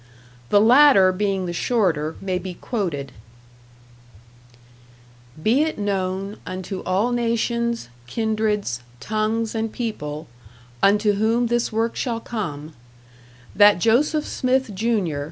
The latter being the shorter, may be quoted: Be it known unto all nations, kindreds, tongues and people, unto whom this work shall come: That Joseph Smith Jr.